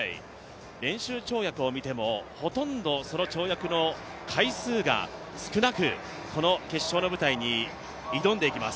練習跳躍を見てもほとんどその跳躍の回数が少なく、この決勝の舞台に挑んでいきます。